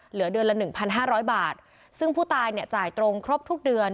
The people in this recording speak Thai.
เหลือเดือนละหนึ่งพันห้าร้อยบาทซึ่งผู้ตายเนี่ยจ่ายตรงครบทุกเดือน